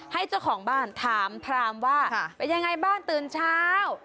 เจ้าของบ้านถามพรามว่าเป็นยังไงบ้างตื่นเช้า